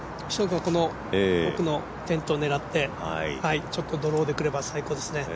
奥のテントを狙ってちょっとドローで来れば最高ですね。